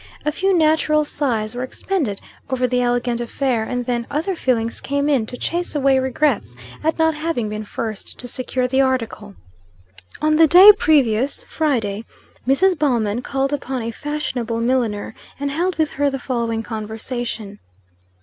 A few natural sighs were expended over the elegant affair, and then other feelings came in to chase away regrets at not having been first to secure the article. On the day previous, Friday, Mrs. Ballman called upon a fashionable milliner, and held with her the following conversation.